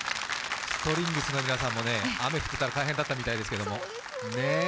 ストリングスの皆さんも雨降ったら大変だったようですけど。